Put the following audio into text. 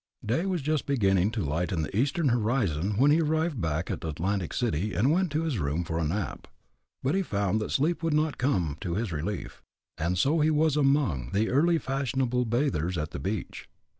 Day was just beginning to lighten the eastern horizon when he arrived back at Atlantic City, and went to his room for a nap. But he found that sleep would not come to his relief, and so he was among the early fashionable bathers at the beach.